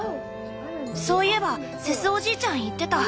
そういえばセスおじいちゃん言ってた。